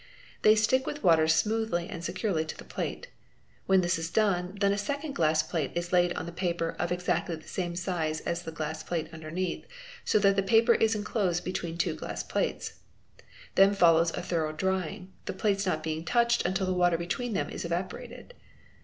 They stick with water smoothly ~ and securely to the plate. When this is done, then a second glass plate is laid on the paper of exactly the same size as the glass plate under neath, so that the paper is enclosed between two glass plates. Then follows a thorough drying, the plates not being touched until the water between them is evaporated.